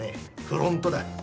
フロントだ。